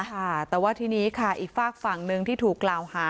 ค่ะแต่ว่าทีนี้ค่ะอีกฝากฝั่งหนึ่งที่ถูกกล่าวหา